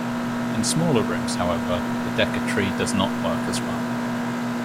In smaller rooms however, the Decca Tree does not work as well.